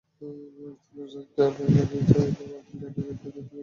ভারতীয় রেল জানিয়েছে, বাতিল ট্রেনের যাত্রীদের টিকিটের দাম ফেরত দেওয়া হবে।